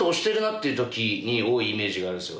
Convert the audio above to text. イメージがあるんっすよ。